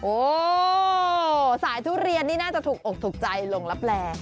โอ้สายทุเรียนนี่น่าจะถูกอกถูกใจลงลับแล